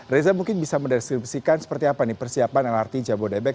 reza mungkin bisa mendeskripsikan seperti apa persiapan lrt jambu dabek